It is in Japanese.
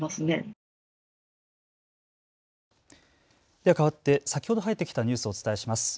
ではかわって先ほど入ってきたニュースをお伝えします。